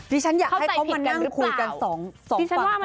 ที่ฉันอยากให้เขามันนั่งคุยกันสองฝ่ายพร้อมกันเลยดีกว่า